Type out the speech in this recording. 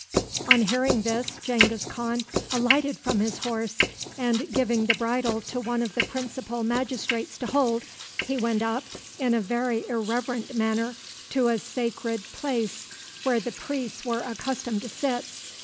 On hearing this, Genghis Khan alighted from his horse, and, giving the bridle to one of the principal magistrates to hold, he went up, in a very irreverent manner, to a sacred place where the priests were accustomed to sit.